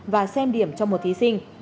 và xem điểm cho một thí sinh